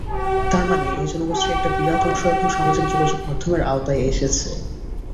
তার মানে এই জনগোষ্ঠীর একটা বিরাট অংশ এখন সামাজিক যোগাযোগমাধ্যমের আওতায় এসেছে।